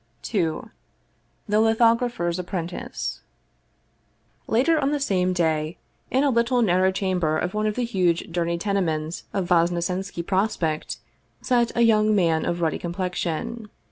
II THE LITHOGRAPHER'S APPRENTICE LATER on the same day, in a little narrow chamber of one of the huge, dirty tenements on Vosnesenski Prospekt, sat a young man of ruddy complexion.